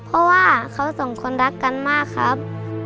เพราะว่าเขาสองคนรักกันมากครับ